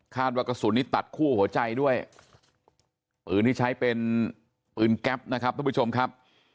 ว่ากระสุนนี้ตัดคู่หัวใจด้วยปืนที่ใช้เป็นปืนแก๊ปนะครับทุกผู้ชมครับ